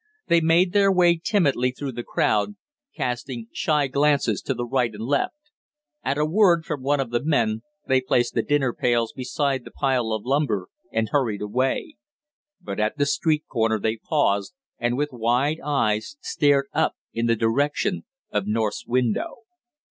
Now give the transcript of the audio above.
They made their way timidly through the crowd, casting shy glances to the right and left; at a word from one of the men they placed the dinner pails beside the pile of lumber and hurried away; but at the street corner they paused, and with wide eyes stared up in the direction of North's window.